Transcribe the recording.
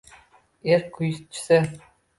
Erk kuychisi